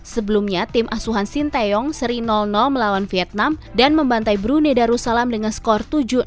sebelumnya tim asuhan sinteyong seri melawan vietnam dan membantai brunei darussalam dengan skor tujuh enam